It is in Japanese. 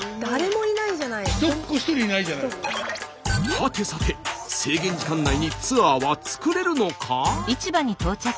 はてさて制限時間内にツアーは作れるのか？